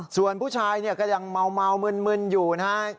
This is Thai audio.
ส่วนผู้ชายเนี่ยก็ยังเมามึนอยู่นะฮะ